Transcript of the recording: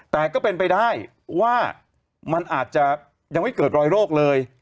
แต่ก็เป็นไปได้ว่ามันอาจจะยังไม่เกิดรอยโรคเลย